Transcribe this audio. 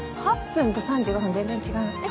８分と３５分全然違いますね。